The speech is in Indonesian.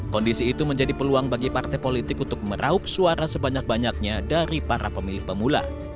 kondisi itu menjadi peluang bagi partai politik untuk meraup suara sebanyak banyaknya dari para pemilih pemula